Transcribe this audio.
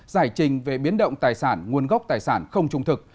giải trình về biến động tài sản nguồn gốc tài sản không trung thực